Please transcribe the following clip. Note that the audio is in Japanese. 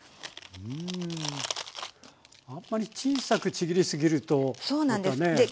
うんあんまり小さくちぎり過ぎるとまたね。